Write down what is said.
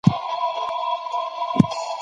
دښتې د ملي هویت یوه نښه ده.